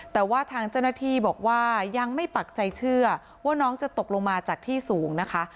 แต่ว่าทางเจ้าหน้าที่บอกว่ายังไม่ปักใจเชื่อว่าน้องจะตกลงมาจากที่สูงนะคะ